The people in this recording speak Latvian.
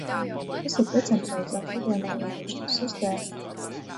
Kas ir decentralizēta videonovērošanas sistēma?